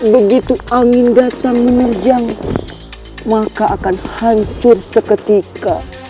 begitu angin datang menerjangku maka akan hancur seketika